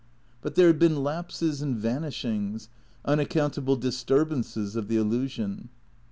But there had been lapses and vanishings, unaccountable disturbances of the illusion.